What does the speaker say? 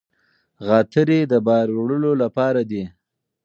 غاتري د بار وړلو لپاره دي.